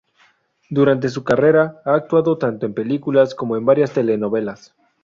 Durante su carrera ha actuado tanto en películas como en varias telenovelas.